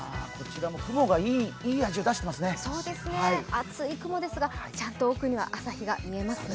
厚い雲ですが、ちゃんと奥には朝日が見えますね。